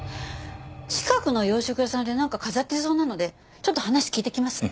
近くの洋食屋さんでなんか飾ってそうなのでちょっと話聞いてきますね。